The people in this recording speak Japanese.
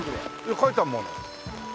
書いてあるもん。